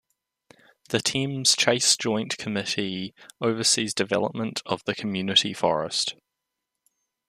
The Thames Chase Joint Committee oversees development of the community forest.